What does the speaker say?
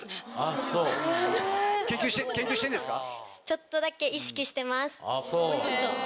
研究してるんですか？